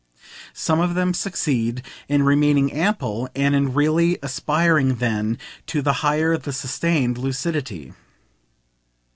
Some of them succeed in remaining ample and in really aspiring then to the higher, the sustained lucidity.